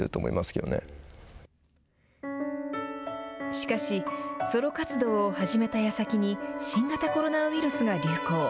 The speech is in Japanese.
しかし、ソロ活動を始めたやさきに、新型コロナウイルスが流行。